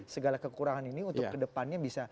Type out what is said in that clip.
segala kekurangan ini untuk ke depannya bisa